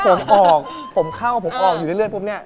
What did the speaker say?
ผมออกผมเข้าผมออกอยู่ในเรื่องพวกเนี้ย